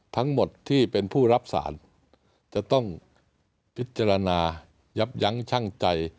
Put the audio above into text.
ทั้งหมดที่เป็นผู้รับสารจะต้องพิจารณายับยั้งชั่งใจ